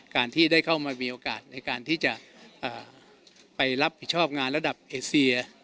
การที่ได้เข้ามามีโอกาสในการที่จะไปรับผิดชอบงานระดับเอเซีย